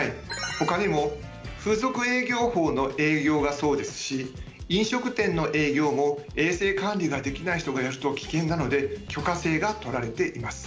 他にも風俗営業法の営業がそうですし飲食店の営業も衛生管理ができない人がやると危険なので許可制がとられています。